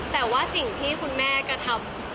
แต่ว่าจริงที่คุณแม่ก็ทำ